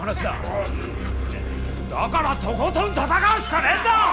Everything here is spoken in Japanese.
だからとことん戦うしかねえんだ！